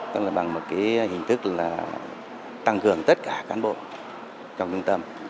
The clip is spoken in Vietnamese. tức là bằng một hình thức tăng cường tất cả cán bộ trong trung tâm